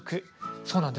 そうなんです。